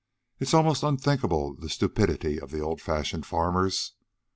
It's almost unthinkable, the stupidity of the old fashioned farmers.